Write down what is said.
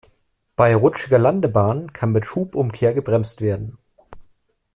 Bei rutschiger Landebahn kann mit Schubumkehr gebremst werden.